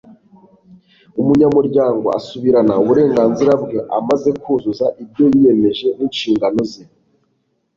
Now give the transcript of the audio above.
umunyamuryango asubirana uburenganzira bwe amaze kuzuza ibyo yiyemeje n'inshingano ze